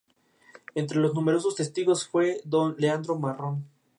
Entre los numerosos testigos fue don Leandro Marrón.